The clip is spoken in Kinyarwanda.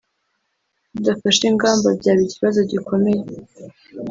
tudafashe ingamba byaba ikibazo gikomeye